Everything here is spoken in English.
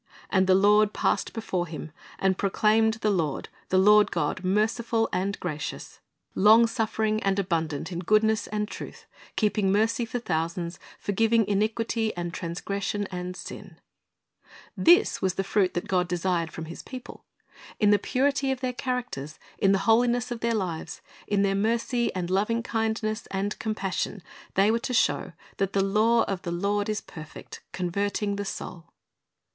"And the Lord passed by before him, and proclaimed, The Lord, the Lord God, merciful and gracious, ilsa. 5:1,2 ^Isa. 5:7 286 Christ's Object Lessons long suffering, and abundant in goodness and truth, keeping mercy for thousands, forgiving iniquity and transgression and sin."' This was the fruit that God desired from His people. In the purity of their characters, in the holiness of their lives, in their mercy and loving kindness and compassion, they were to show that "the law of the Lord is perfect, converting the soul."